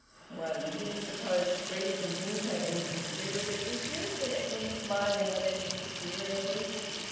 "Well, you didn't suppose degrees and things had anything to do with it, did you?" said Edwin, smiling a little superiorly.